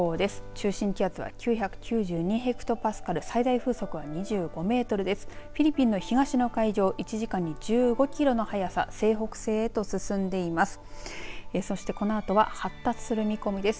中心気圧は９９２ヘクトパスカル最大風速は２５メートルです。